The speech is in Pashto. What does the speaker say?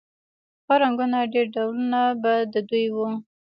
ښه رنګونه ډېر ډولونه به د دوی و